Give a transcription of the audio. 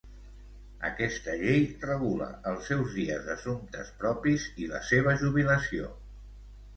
Aquesta llei regula els seus dies d'assumptes propis i la seva jubilació.